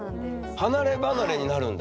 離れ離れになるんだ。